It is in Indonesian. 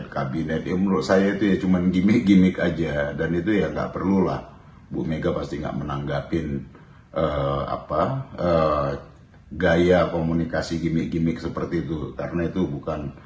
karena itu bukan gaya komunikasi gimmick gimmick seperti itu